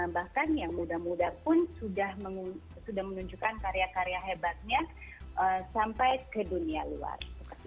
bahkan yang muda muda pun sudah menunjukkan karya karya hebatnya sampai ke dunia luar